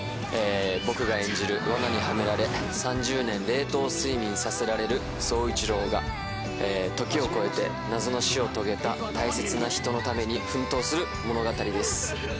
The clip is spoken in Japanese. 僕が演じるわなにハメられ３０年冷凍睡眠させられる宗一郎が時を超えて謎の死を遂げた大切な人のために奮闘する物語です。